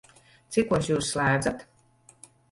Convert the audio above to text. Cikos Jūs slēdzat?